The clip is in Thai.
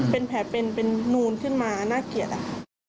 เป็นแผลเป็นนูนขึ้นมาน่าเกลียดอะค่ะ